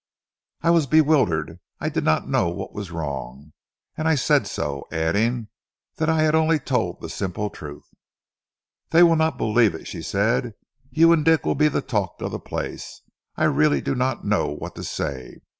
"I was bewildered. I did not know what was wrong, and I said so, adding that I had only told the simple truth. "'They will not believe it,' she said. 'You and Dick will be the talk of the place. I really do not know what to say.